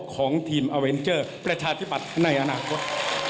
ของทีมอาเวนเจอร์ประชาธิปัตย์ในอนาคต